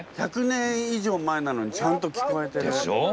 １００年以上前なのにちゃんと聞こえてる。でしょう。